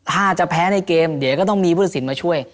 ถ้าจะแพ้ในเกมเดี๋ยวก็ต้องมีผู้ตัดสินมาช่วย